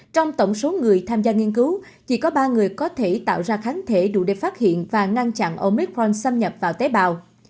trong tổng số người tham gia nghiên cứu chỉ có ba người có thể tạo ra kháng thể đủ để phát hiện và ngăn chặn oitpron xâm nhập vào tế bào